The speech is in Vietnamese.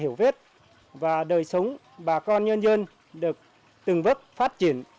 hiểu biết và đời sống bà con nhân dân được từng bước phát triển